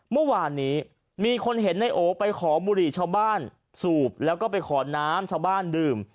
เมื่อวานนี้มีคนเห็นในโอไปขอบุหรี่ชาวบ้านสูบแล้วก็ไปขอน้ำชาวบ้านดื่ม